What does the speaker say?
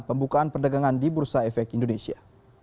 pembukaan perdagangan di bursa efek indonesia